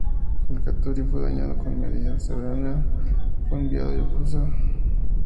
El "Katori" fue dañado con mediana severidad y fue enviado a Yokosuka para reparaciones.